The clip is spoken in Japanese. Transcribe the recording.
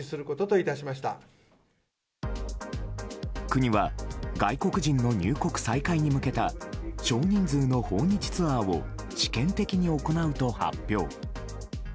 国は、外国人の入国再開に向けた少人数の訪日ツアーを試験的に行うと発表。